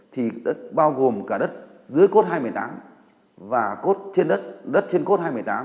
thì bao gồm cả đất dưới cốt hai trăm một mươi tám m và cốt trên đất đất trên cốt hai trăm một mươi tám m